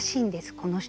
この人は。